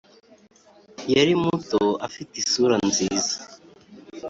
yari muto, afite isura nziza,